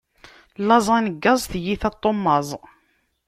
Laẓ, angaẓ, tiyita n tummaẓ.